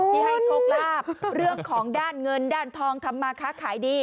ที่ให้โชคลาภเรื่องของด้านเงินด้านทองทำมาค้าขายดี